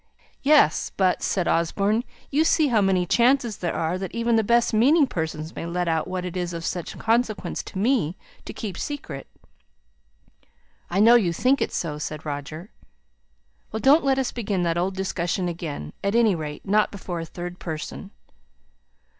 "Yes; but," said Osborne, "you see how many chances there are that even the best meaning persons may let out what it is of such consequence to me to keep secret." "I know you think it so," said Roger. "Well, don't let us begin that old discussion again at any rate, before a third person."